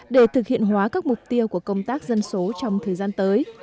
để thực hiện hóa các mục tiêu của công tác dân số trong thời gian tới